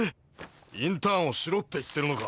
インターンをしろって言ってるのか！